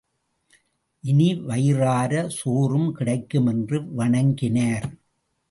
இனி வயிறார சோறும் கிடைக்கும் என்று வணங்கினார்.